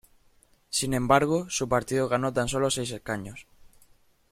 Sin embargo, su partido ganó tan solo seis escaños.